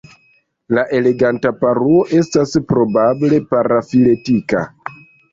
La Eleganta paruo estas probable parafiletika.